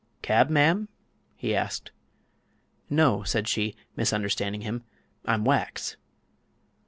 "Cab, ma'am?" he asked. "No," said she, misunderstanding him; "I'm wax."